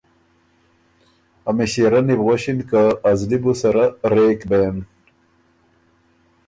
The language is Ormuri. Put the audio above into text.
ا مِݭېرنی بو غؤݭِن که ”ا زلی بو سره رېک بېن“